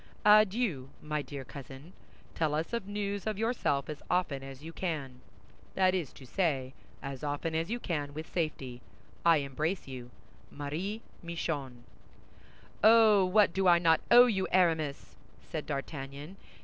"Adieu, my dear cousin. Tell us news of yourself as often as you can; that is to say, as often as you can with safety. I embrace you. "MARIE MICHON" "Oh, what do I not owe you, Aramis?" said D'Artagnan.